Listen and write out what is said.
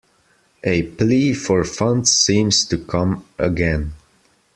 A plea for funds seems to come again.